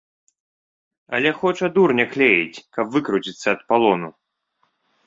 Але хоча дурня клеіць, каб выкруціцца ад палону.